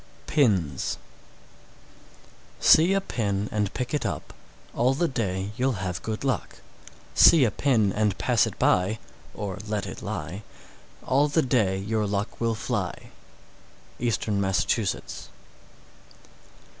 PINS. 637. See a pin and pick it up, All the day you'll have good luck; See a pin and pass it by (or "let it lie"), All the day your luck will fly. _Eastern Massachusetts.